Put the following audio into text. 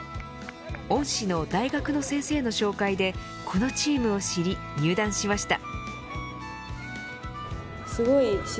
恩師の大学の先生の紹介でこのチームを知り入団しました。